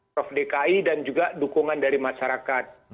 prof dki dan juga dukungan dari masyarakat